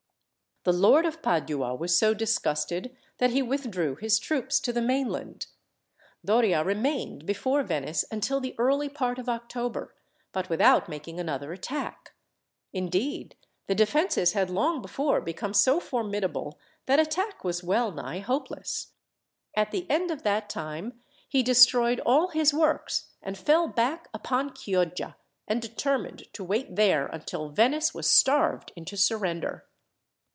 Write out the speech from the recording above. The Lord of Padua was so disgusted that he withdrew his troops to the mainland. Doria remained before Venice until the early part of October, but without making another attack. Indeed, the defences had long before become so formidable, that attack was well nigh hopeless. At the end of that time he destroyed all his works and fell back upon Chioggia, and determined to wait there until Venice was starved into surrender.